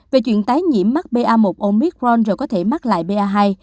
về chuyện tái nhiễm mắc ba một omicron rồi có thể mắc lại ba